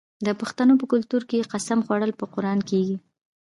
د پښتنو په کلتور کې د قسم خوړل په قران کیږي.